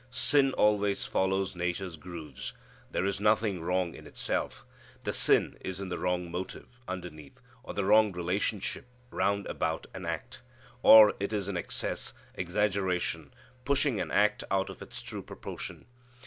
Sin always follows nature's grooves. There is nothing wrong in itself. The sin is in the wrong motive underneath, or the wrong relationship round about an act. Or, it is in excess, exaggeration, pushing an act out of its true proportion.